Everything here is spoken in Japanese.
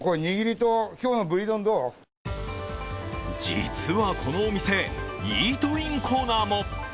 実はこのお店、イートインコーナーも。